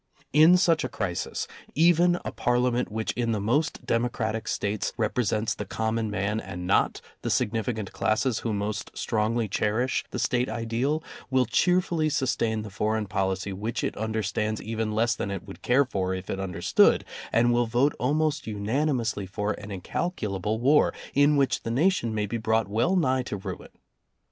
In such a crisis, even a Parliament which in the most democratic States represents the common man and not the significant classes who most strongly cherish the State ideal, will cheerfully sustain the foreign policy which it understands even less than it would care for if it understood, and will vote almost unanimously for an incalculable war, in which the nation may be brought well nigh to ruin.